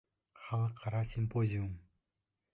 Халыҡ-ара симпозиум!